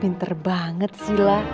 bin terbanget sila